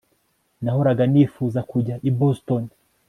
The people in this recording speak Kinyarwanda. Nahoraga nifuza kujya i Boston